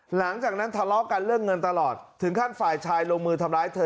หลังจากนั้นทะเลาะกันเรื่องเงินตลอดถึงขั้นฝ่ายชายลงมือทำร้ายเธอ